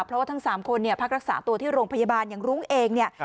เพราะว่าทั้ง๓คนเนี่ยพักรักษาตัวที่โรงพยาบาลอย่างรุ้งเองเนี่ย